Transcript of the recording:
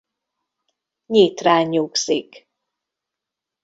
Nyitrán nyugszik.